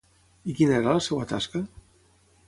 I quina era la seva tasca?